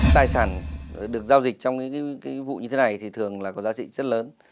tài sản được giao dịch trong những vụ như thế này thì thường là có giá trị rất lớn